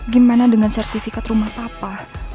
gimana dengan sertifikat rumah papa